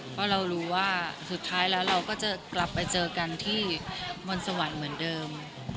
เพราะเรารู้ว่าสุดท้ายแล้วเราก็จะกลับไปเจอกันที่มนต์สวรรค์เหมือนเดิม